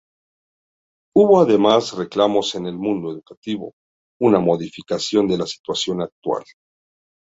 Hubo además reclamos en el mundo educativo, una modificación de la situación actual.